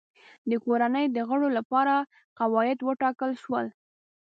د کورنۍ د غړو لپاره قواعد وټاکل شول.